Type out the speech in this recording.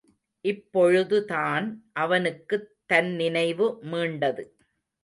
இப்பொழுதுதான் அவனுக்குத் தன் நினைவு மீண்டது.